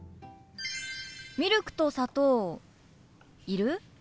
ミルクと砂糖いる？